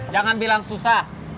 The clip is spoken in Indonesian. jangan bilang susah